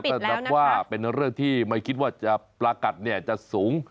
ก็นับว่าเป็นเรื่องที่ไม่คิดว่าจะประกัดจะสูง